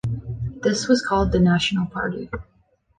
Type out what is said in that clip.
This was called the National Party.